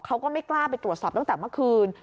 เขาก็ไม่กล้าไปตรวจสอบตั้งแต่เมื่อคืน